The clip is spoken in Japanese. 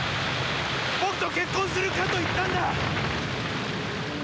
僕と結婚するかと言ったんだ！